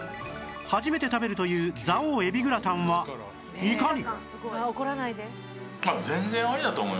初めて食べるという蔵王えびグラタンはいかに？